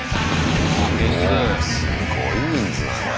おすごい人数だねこれ。